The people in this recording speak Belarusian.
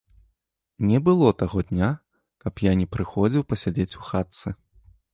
Не было таго дня, каб я не прыходзіў пасядзець у хатцы.